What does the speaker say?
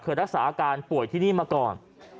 รักษาอาการป่วยที่นี่มาก่อน